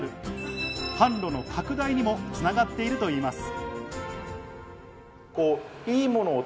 販路の拡大にも繋がっているといいます。